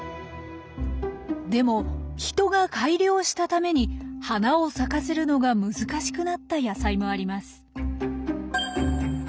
でも人が改良したために花を咲かせるのが難しくなった野菜もあります。